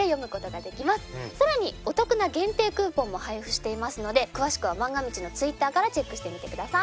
さらにお得な限定クーポンも配布していますので詳しくは『まんが未知』のＴｗｉｔｔｅｒからチェックしてみてください。